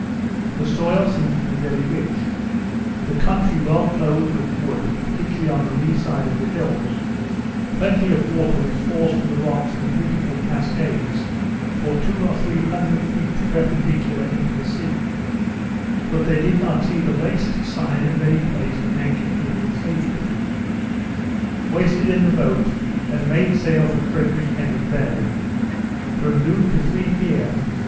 The soil seems to be very rich; the country well clothed with wood, particularly on the lee side of the hills; plenty of water which falls from the rocks in beautiful cascades, for two or three hundred feet perpendicular into the sea; but they did not see the least sign of any place to anchor in with safety. Hoisted in the boat, and made sail for Frederick Henry Bay. From noon to three p.m.